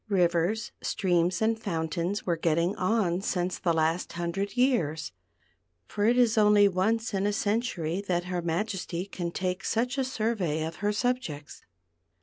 rivers, streams, and fountains were getting on since the last hundred years, for it is only once in a century that her Majesty can take such a survey of her subjects.